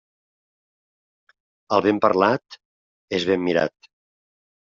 El ben parlat, és ben mirat.